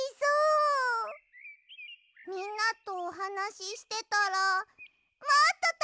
みんなとおはなししてたらもっとたべたくなっちゃった！